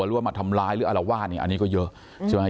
หรือว่ามาทำร้ายหรืออะไรว่าอันนี้ก็เยอะ